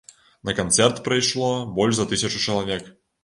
На канцэрт прыйшло больш за тысячу чалавек.